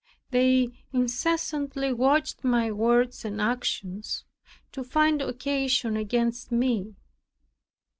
They incessantly watched my words and actions, to find occasion against me.